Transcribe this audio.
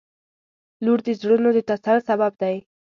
• لور د زړونو د تسل سبب دی.